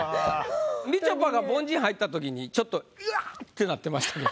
みちょぱが凡人入った時にちょっと「うわっ！」ってなってましたけど。